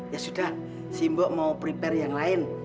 ya sudah simbok mau prepare yang lain